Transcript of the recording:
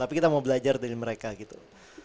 tapi kita mau belajar dari mereka gitu